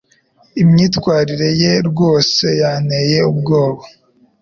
Imyitwarire ye rwose yanteye ubwoba.